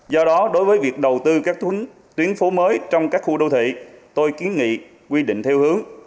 do đó đối với việc đầu tư các tuyến phố mới trong các khu đô thị tôi kiến nghị quy định theo hướng